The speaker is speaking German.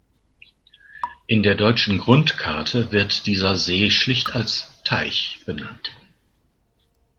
In der Deutschen Grundkarte wird dieser See schlicht als „Teich“ benannt.